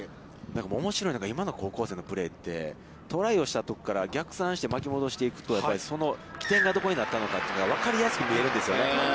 おもしろいのが、今の高校生のプレーって、トライをしたところから逆算して巻き戻していくと、起点がどこになったかというのがわかりやすくなっているんですね。